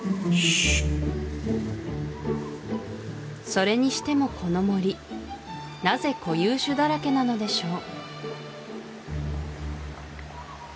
それにしてもこの森なぜ固有種だらけなのでしょう？